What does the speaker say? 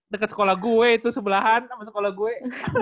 dekat sekolah gue itu sebelahan sama sekolah gue